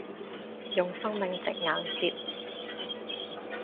用生命值硬接